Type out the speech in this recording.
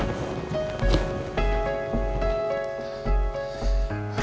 oke kita nanti sudah lebat deh